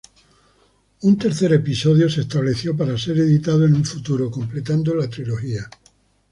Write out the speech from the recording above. Un tercer episodio se estableció para ser editado en un futuro, completando la trilogía.